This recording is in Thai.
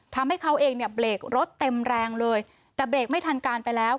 ทำให้เขาเองเนี่ยเบรกรถเต็มแรงเลยแต่เบรกไม่ทันการไปแล้ว